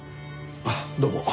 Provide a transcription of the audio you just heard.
あっどうも。